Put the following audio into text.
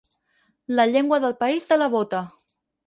La llengua del país de la bota.